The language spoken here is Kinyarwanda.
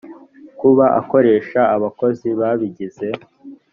kuba akoresha abakozi babigize